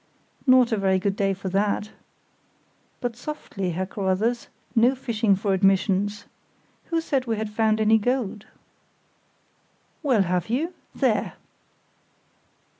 "Not a very good day for that! But softly, Herr Carruthers; no fishing for admissions. Who said we had found any gold?" "Well, have you? There!"